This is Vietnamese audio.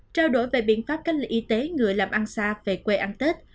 trao đổi về biện pháp cách ly y tế người làm ăn xa về quê ăn tết